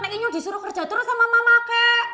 nek ini yang disuruh kerja terus sama mama kek